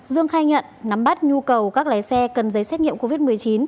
dương khai nhận nắm bắt nhu cầu các lái xe cần giấy xét nghiệm covid một mươi chín